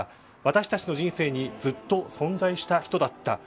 私たちの人生にずっと存在した人だった。